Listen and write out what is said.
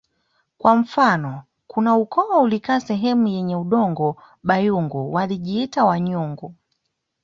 Kwa mfano kuna ukoo uliokaa sehemu zenye udongo Bayungu walijiita Wayungu